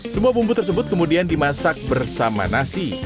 semua bumbu tersebut kemudian dimasak bersama nasi